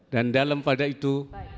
dan dalam pada itu